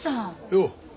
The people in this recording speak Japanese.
よう。